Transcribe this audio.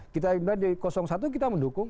kita di satu kita mendukung